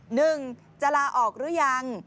หนึ่งจะลาออกหรือยัง